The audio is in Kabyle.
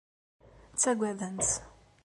Ttagadent-tt.